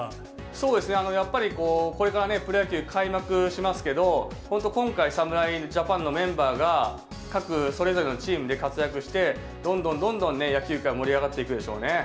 そうですね、やっぱりこれからプロ野球開幕しますけど、本当、今回、侍ジャパンのメンバーが、各、それぞれのチームで活躍して、どんどんどんどん野球界も盛り上がっていくでしょうね。